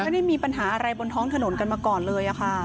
ไม่ได้มีปัญหาอะไรบนท้องถนนกันมาก่อนเลยค่ะ